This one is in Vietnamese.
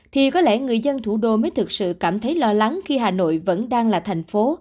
thì có lẽ người dân thủ đô mới thực sự cảm thấy lo lắng khi hà nội vẫn đang là thành phố